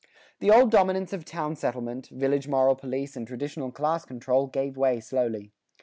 The old dominance of town settlement, village moral police, and traditional class control gave way slowly.